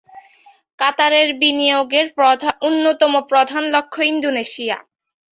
কাতারের বিনিয়োগের অন্যতম প্রধান লক্ষ্য ইন্দোনেশিয়া।